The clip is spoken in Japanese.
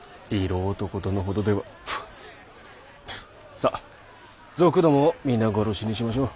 さあ賊どもを皆殺しにしましょう。